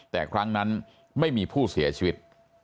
แต่ครั้งนั้นไม่มีผู้เสียชีวิต